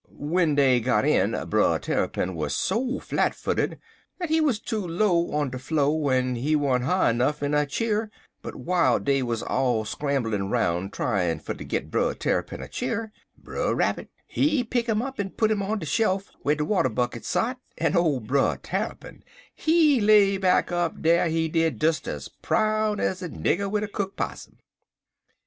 "W'en dey got in, Brer Tarrypin wuz so flat footed dat he wuz too low on de flo', en he wern't high nuff in a cheer, but while dey wuz all scrambling' 'roun' tryin' fer ter git Brer Tarrypin a cheer, Brer Rabbit, he pick 'im up en put 'im on de shelf whar de water bucket sot, en ole Brer Tarrypin, he lay back up dar, he did, des es proud ez a nigger wid a cook possum.